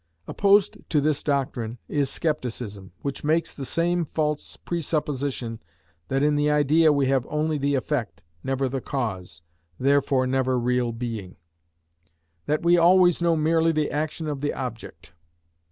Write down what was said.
Opposed to this doctrine is scepticism, which makes the same false presupposition that in the idea we have only the effect, never the cause, therefore never real being; that we always know merely the action of the object.